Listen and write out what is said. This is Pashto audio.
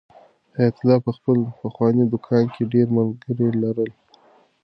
حیات الله په خپل پخواني دوکان کې ډېر ملګري لرل.